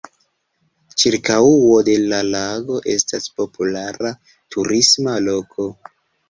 Ĉirkaŭo de la lago estas populara turisma loko.